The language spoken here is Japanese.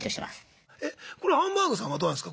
えこれハンバーグさんはどうなんですか？